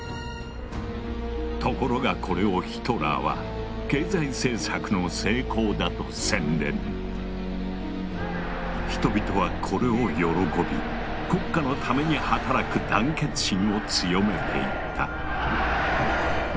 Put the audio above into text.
ところがこれをヒトラーは人々はこれを喜び国家のために働く団結心を強めていった。